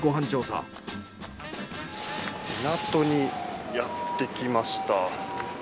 港にやってきました。